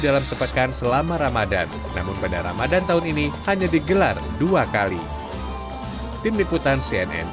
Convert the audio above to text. dalam sepekan selama ramadan namun pada ramadan tahun ini hanya digelar dua kali tim liputan cnn